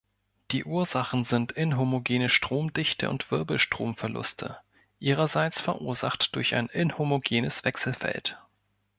Die Ursachen sind inhomogene Stromdichte und Wirbelstromverluste, ihrerseits verursacht durch ein inhomogenes Wechselfeld.